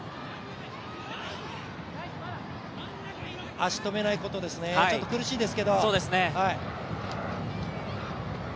足を止めないことですね、ちょっと苦しいですけど。